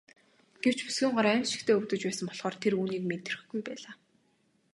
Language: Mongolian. Гэвч бүсгүйн гар аймшигтай өвдөж байсан болохоор тэр үүнийг мэдрэхгүй байлаа.